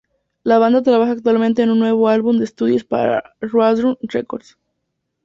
La banda trabaja actualmente en un nuevo álbum de estudio para Roadrunner Records.